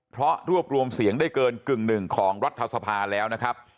เพราะรวบรวมเสียงได้เกินกึ่งหนึ่งของรัฐสภาแล้วนะครับ